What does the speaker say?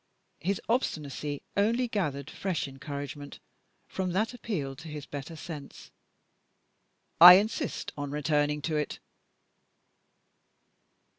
His obstinacy only gathered fresh encouragement from that appeal to his better sense. "I insist on returning to it."